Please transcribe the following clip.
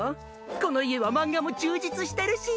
この家はマンガも充実してるし。